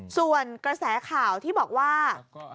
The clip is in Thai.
ส่วนกระแสข่าวที่บอกว่า